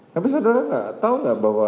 tapi saudara enggak tahu enggak bahwa